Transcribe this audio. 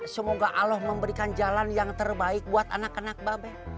yang memberikan jalan yang terbaik buat anak anak babe